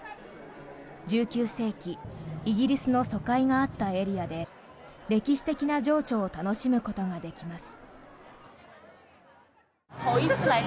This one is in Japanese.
１９世紀イギリスの租界があったエリアで歴史的な情緒を楽しむことができます。